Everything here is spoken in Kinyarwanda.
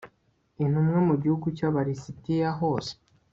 intumwa mu gihugu cy aba lisitiya hose